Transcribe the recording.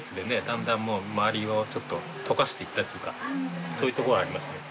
だんだん周りをちょっととかしていったというかそういうところはありましたよね。